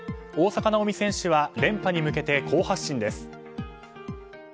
大坂なおみ選手は連覇に向けて好発進です。